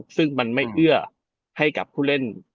ซึ่งมันไม่เอื้อให้กับผู้เล่น